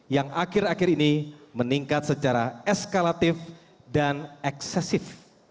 yang akhir akhir ini meningkat secara eskalatif dan eksesif